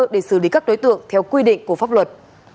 để xử lý các đối tượng theo quy định của pháp luật